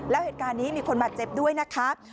แล้วเหตุการณ์นี้มีคนบาดเจ็บด้วยนะคะ